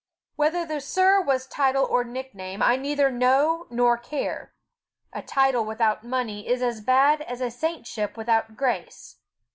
Whether the Sir was title or nickname, I neither know nor care. A title without money is as bad as a saintship without grace.